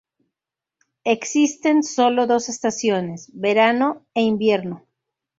Existen solo dos estaciones: verano e invierno.